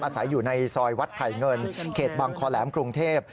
อาศัยอยู่ในซอยวัดไผ่เงินเขตบางคอแหลมกรุงเทพ